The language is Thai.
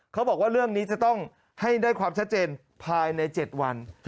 เขาบอกว่าเรื่องนี้จะต้องให้ได้ความชัดเจนภายใน๗วัน